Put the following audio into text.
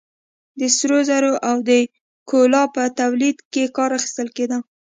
د سرو زرو او د کولا په تولید کې کار اخیستل کېده.